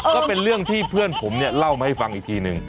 ก็เป็นเรื่องที่เพื่อนผมเนี่ยเล่ามาให้ฟังอีกทีหนึ่ง